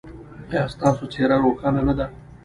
ایا ستاسو څیره روښانه نه ده؟